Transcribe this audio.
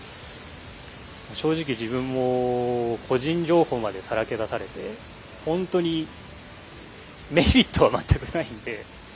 正直、自分も、個人情報までさらけ出されて、本当にメリットは全くないんで。